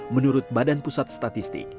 menurut badan pusat statistik